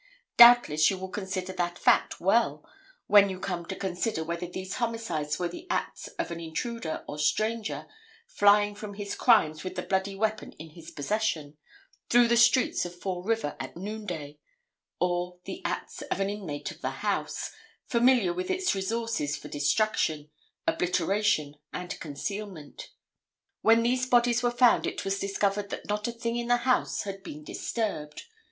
Doubtless you will consider that fact well when you come to consider whether these homicides were the acts of an intruder or stranger flying from his crimes with the bloody weapon in his possession, through the streets of Fall River at noonday, or the acts of an inmate of the house, familiar with its resources for destruction, obliteration and concealment. When these bodies were found it was discovered that not a thing in the house had been disturbed.